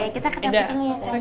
oke kita ke dapur nih ya sayangnya